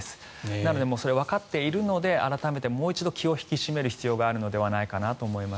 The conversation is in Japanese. なのでそれはわかっているので改めてもう一度気を引き締める必要があるのではないかと。